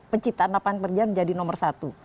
penciptaan lapangan kerja menjadi nomor satu